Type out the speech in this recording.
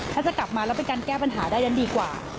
ถ้าจะกลับมาแล้วเป็นการแก้ปัญหาได้นั้นดีกว่า